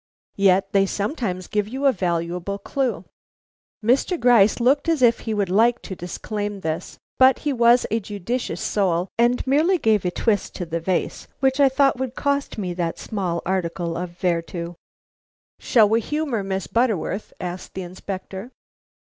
"Yet they sometimes give you a valuable clue." Mr. Gryce looked as if he would like to disclaim this, but he was a judicious soul, and merely gave a twist to the vase which I thought would cost me that small article of vertu. "Shall we humor Miss Butterworth?" asked the Inspector.